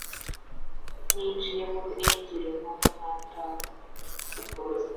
Ninjiye mu ruengero, numva ntataha